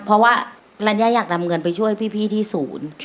เพราะว่ารัญญาอยากนำเงินไปช่วยพี่ที่ศูนย์